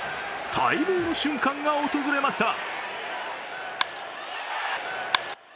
待望の瞬間が訪れました。